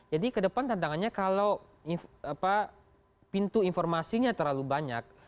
jadi kedepan tantangannya kalau pintu informasinya terlalu banyak